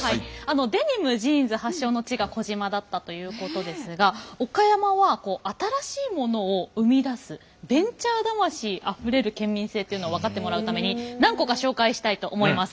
デニムジーンズ発祥の地が児島だったということですが岡山は新しいものを生み出すベンチャー魂あふれる県民性っていうのを分かってもらうために何個か紹介したいと思います。